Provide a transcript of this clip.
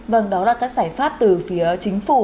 vâng đó là các giải pháp từ phía chính phủ